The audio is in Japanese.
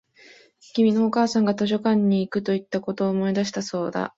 君のお母さんが図書館に行くと言ったことを思い出したそうだ